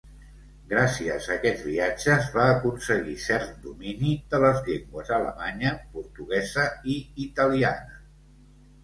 Gràcies a aquests viatges va aconseguir cert domini de les llengües alemanya, portuguesa i italiana.